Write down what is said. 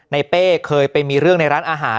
เป้เคยไปมีเรื่องในร้านอาหาร